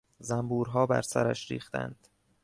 زنبورها برسرش ریختند.